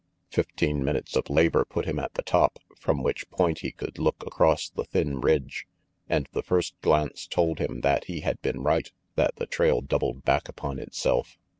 Fifteen minutes of labor put him at the top, from which point he could look across the thin ridge; and the first glance told him that he had been right, that the trail doubled back upon itself.